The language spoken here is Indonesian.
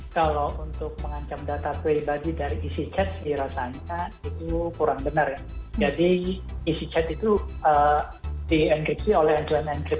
cuma perlu kita khawatirkan adalah metadata dari user